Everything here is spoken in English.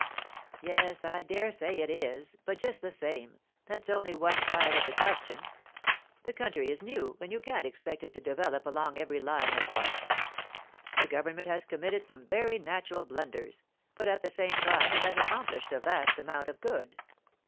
'Yes, I dare say it is—but, just the same, that's only one side of the question. The country is new, and you can't expect it to develop along every line at once. The government has committed some very natural blunders, but at the same time it has accomplished a vast amount of good.